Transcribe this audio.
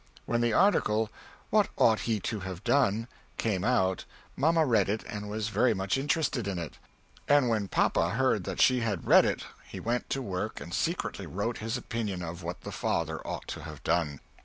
When the article "What ought he to have done?" came out Mamma read it, and was very much interested in it. And when papa heard that she had read it he went to work and secretly wrote his opinion of what the father ought to have done.